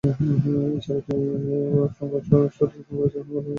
এছাড়াও তিনি সুরাট কংগ্রেসের বাঙালি প্রতিনিধিদের ব্যয় ভার বহন করেন।